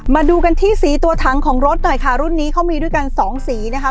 มาดูกันที่สีตัวถังของรถหน่อยค่ะรุ่นนี้เขามีด้วยกันสองสีนะคะ